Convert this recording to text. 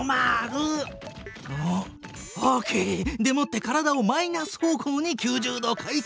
オッオッケー！でもって体をマイナス方向に９０度回転！